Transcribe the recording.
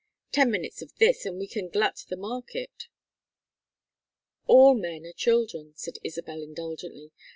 "Ten minutes of this and we can glut the market." "All men are children," said Isabel, indulgently.